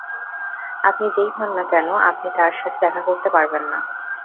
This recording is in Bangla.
আপনি যেই হোন না কেন, আপনি তার সাথে দেখা করতে পারবেন না।